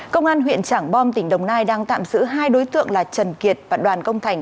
công an huyện trảng bom tỉnh đồng nai đang tạm giữ hai đối tượng là trần kiệt và đoàn công thành